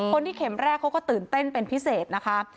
เข็มแรกเขาก็ตื่นเต้นเป็นพิเศษนะคะ